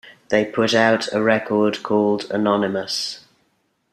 They put out a record called Anonymous.